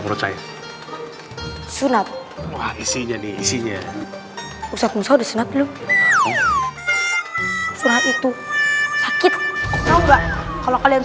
menurut saya sunat isinya nih isinya usah musuh desa lu surat itu sakit kalau kalian